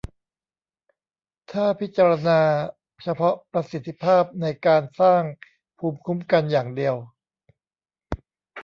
ถ้าพิจารณาเฉพาะประสิทธิภาพในการสร้างภูมิคุ้มกันอย่างเดียว